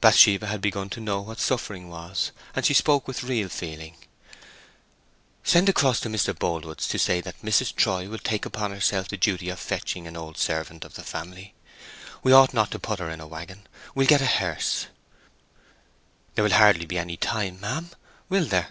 Bathsheba had begun to know what suffering was, and she spoke with real feeling.... "Send across to Mr. Boldwood's, and say that Mrs. Troy will take upon herself the duty of fetching an old servant of the family.... We ought not to put her in a waggon; we'll get a hearse." "There will hardly be time, ma'am, will there?"